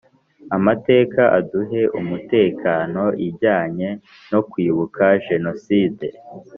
Amateka aduhe umutekano ijyanye no kwibuka Jenoside